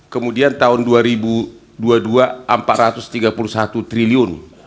kemudian tahun dua ribu dua puluh dua empat ratus tiga puluh satu triliun